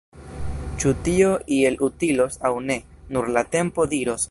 Ĉu tio iel utilos aŭ ne, nur la tempo diros!